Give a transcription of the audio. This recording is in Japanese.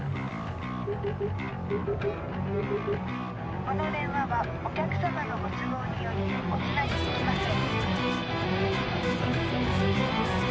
この電話はお客様のご都合によりおつなぎできません。